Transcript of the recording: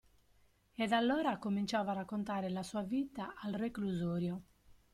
Ed allora cominciava a raccontare la sua vita al reclusorio.